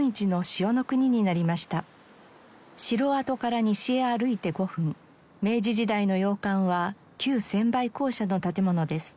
城跡から西へ歩いて５分明治時代の洋館は旧専売公社の建物です。